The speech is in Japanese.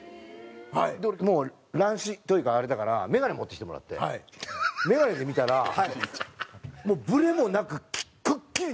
もう乱視というかあれだから眼鏡持ってきてもらって眼鏡で見たらもうブレもなくくっきり永野芽